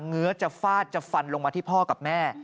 ื้อจะฟาดจะฟันลงมาที่พ่อกับแม่